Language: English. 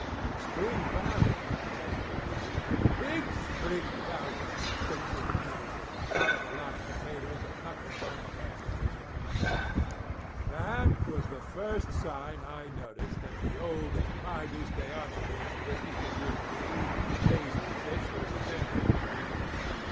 "'Spring Valley,' says I. "'Big Spring Valley,' chips in Paisley, out of a lot of potatoes and knuckle bone of ham in his mouth. "That was the first sign I noticed that the old fidus Diogenes business between me and Paisley Fish was ended forever.